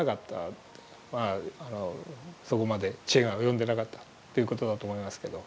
そこまで知恵が及んでなかったということだと思いますけど。